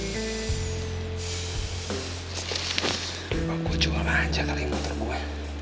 dibawa gua jual aja kali motor gua